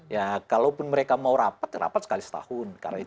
ya kalau pun mereka mau rapat rapat sekali setahun